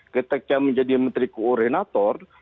ketika menjadi menteri koordinator